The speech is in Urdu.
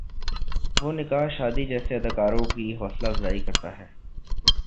وہ نکاح شادی جیسے اداروں کی حوصلہ افزائی کرتا ہے۔